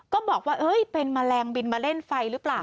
ก็บอกว่าเป็นแมลงบินมาเล่นไฟหรือเปล่า